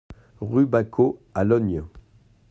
Rue Bacot à Lognes